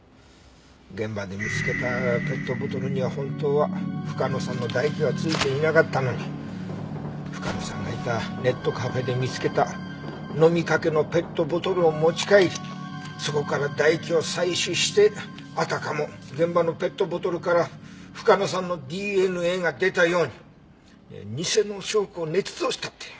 現場で見つけたペットボトルには本当は深野さんの唾液は付いていなかったのに深野さんがいたネットカフェで見つけた飲みかけのペットボトルを持ち帰りそこから唾液を採取してあたかも現場のペットボトルから深野さんのＤＮＡが出たように偽の証拠を捏造したって。